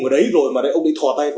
đấy rồi mà ông đi thò tay